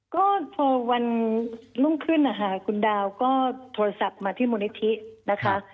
ก็พอวันรุ่งขึ้นนะคะคุณดาวก็โทรศัพท์มาที่มูลนิธินะคะ